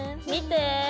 見て！